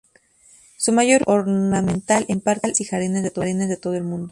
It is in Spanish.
Su mayor uso es ornamental en parques y jardines de todo el mundo.